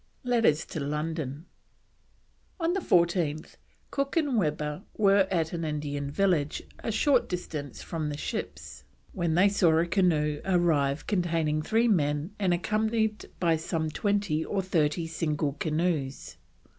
LETTERS TO LONDON. On the 14th Cook and Webber were at an Indian village a short distance from the ships, when they saw a canoe arrive containing three men and accompanied by some twenty or thirty single canoes.